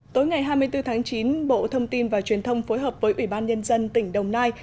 tối ngày hai mươi bốn tháng chín bộ thông tin và truyền thông phối hợp với ủy ban nhân dân tỉnh đồng nai